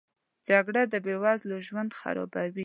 جګړه د بې وزلو ژوند خرابوي